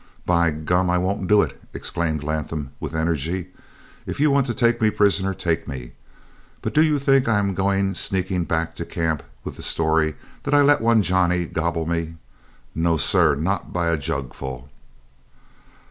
"By gum, I won't do it!" exclaimed Latham, with energy. "If you want to take me prisoner, take me. But do you think I am going sneaking back to camp with the story that I let one Johnny gobble me? No, sir, not by a jugful!"